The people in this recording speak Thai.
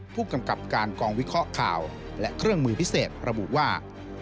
ผู้กำกับการกองวิเคราะห์ข่าวและเครื่องมือพิเศษระบุว่า